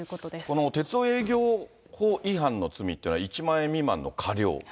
この鉄道営業法違反の罪というのは、１万円未満の科料。